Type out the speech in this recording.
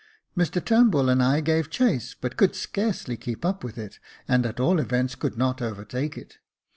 Mr Turnbull and I gave chase, but could scarcely keep up with it, and, at all events, could not overtake it.